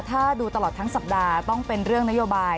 ถ้าดูตลอดทั้งสัปดาห์ต้องเป็นเรื่องนโยบาย